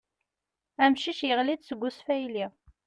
Amcic yaɣli-d seg usfayly.